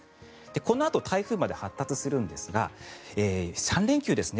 このあと台風まで発達するんですが３連休ですね